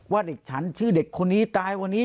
ว่าเด็กฉันชื่อเด็กคนนี้ตายวันนี้